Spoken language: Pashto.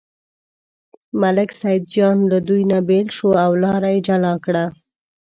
ملک سیدجان له دوی نه بېل شو او لاره یې جلا کړه.